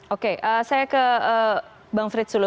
oke saya ke bang frits dulu